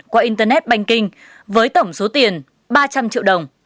qua internet banking với tổng số tiền ba trăm linh triệu đồng